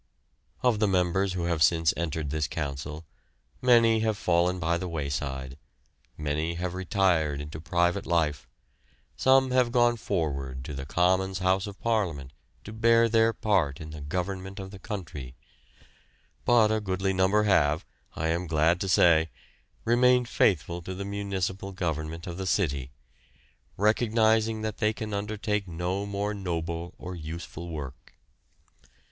Of the members who have since entered this Council, many have fallen by the wayside, many have retired into private life, some have gone forward to the Commons House of Parliament to bear their part in the government of the country; but a goodly number have, I am glad to say, remained faithful to the municipal government of the city, recognising that they can undertake no more noble or useful work.